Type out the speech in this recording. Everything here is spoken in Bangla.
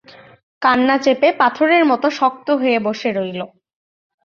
কান্না চেপে পাথরের মতো শক্ত হয়ে বসে রইল।